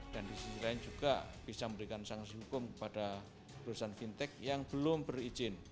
dan di sisi lain juga bisa memberikan sanksi hukum kepada perusahaan fintech yang belum berizin